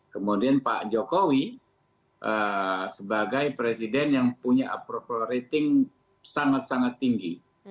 kemudian pak jokowi sebagai presiden yang punya approval rating sangat sangat tinggi